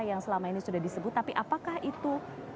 yang selama ini sudah disebut tapi apakah itu